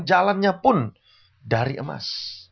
jalannya pun dari emas